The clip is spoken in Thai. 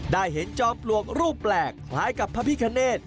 ได้เห็นขนาดลูกแปลกคล้ายกับพระพิคเนต